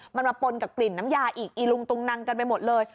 มันมาปนกับกลิ่นน้ำยาอีกอีลุงตุงนังกันไปหมดเลย